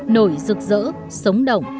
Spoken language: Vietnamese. nổi rực rỡ sống động